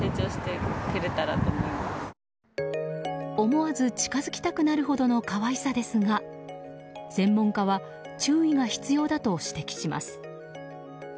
思わず近づきたくなるほどの可愛さですが専門家は注意が必要だと指摘します。